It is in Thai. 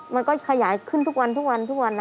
มันก็ขยายขึ้นทุกวันค่ะ